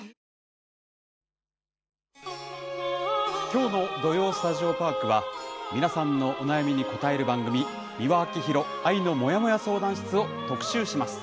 きょうの「土曜スタジオパーク」は皆さんのお悩みに答える番組「美輪明宏愛のモヤモヤ相談室」を特集します。